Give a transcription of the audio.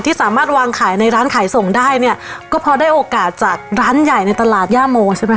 สามารถวางขายในร้านขายส่งได้เนี่ยก็พอได้โอกาสจากร้านใหญ่ในตลาดย่าโมใช่ไหมค